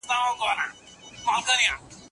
خیرات ورکول مال ډیروي.